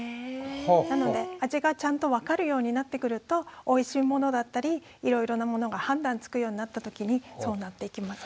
なので味がちゃんと分かるようになってくるとおいしいものだったりいろいろなものが判断つくようになったときにそうなっていきます。